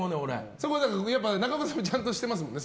そこは中岡さんもちゃんとしてますもんね。